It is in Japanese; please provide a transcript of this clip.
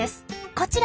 こちら。